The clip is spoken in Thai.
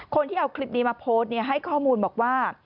คนที่เอาคลิปนี้มาโพสต์ให้ข้อมูลบอกว่า